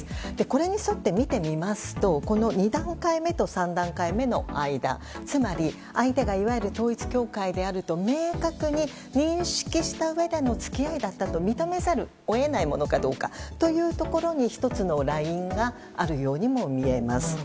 これに沿って見てみますと２段階目と３段階目の間つまり相手がいわゆる統一教会と明確に認識したうえでの付き合いだったと認めざるを得ないものかどうかというところに１つのラインがあるようにもみえます。